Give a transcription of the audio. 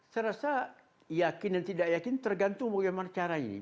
saya rasa yakin dan tidak yakin tergantung bagaimana cara ini